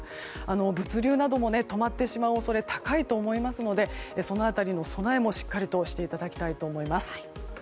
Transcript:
物流なども止まってしまう恐れが高いと思いますのでその辺りの備えもしっかりしていただきたいと思います。